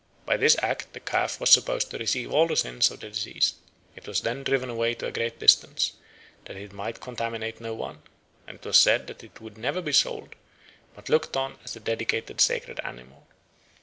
"By this act, the calf was supposed to receive all the sins of the deceased. It was then driven away to a great distance, that it might contaminate no one, and it was said that it would never be sold, but looked on as a dedicated sacred animal."